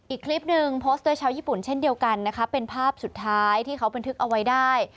อีกคลิปหนึ่งโพสต์โดยชาวญี่ปุ่นเช่นเดียวกันนะคะเป็นภาพสุดท้ายที่เขาบันทึกเอาไว้ได้